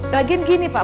lagian gini pak